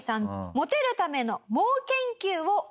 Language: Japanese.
モテるための猛研究を行います。